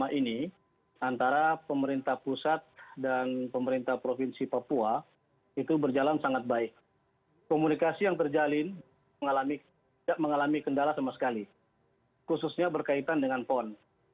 selama ini antara pemerintah pusat dan pemerintah provinsi papua itu berjalan sangat baik komunikasi yang terjalin tidak mengalami kendala sama sekali khususnya berkaitan dengan pon